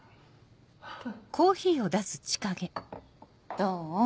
どう？